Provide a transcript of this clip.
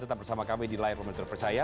tetap bersama kami di live pementor percaya